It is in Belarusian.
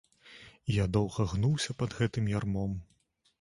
І я доўга гнуўся пад гэтым ярмом.